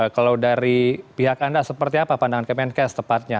kalau dari pihak anda seperti apa pandangan kemenkes tepatnya